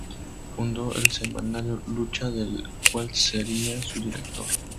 Fundó el semanario "Lucha", del cual sería su director.